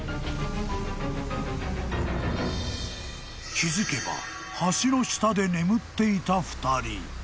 ［気付けば橋の下で眠っていた２人］